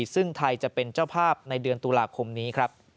ซึ่งไทยจะเป็นเจ้าภาพในเดือนตุลาคมนี้ครับ